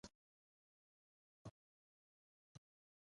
بې ځایه خبري مه کوه .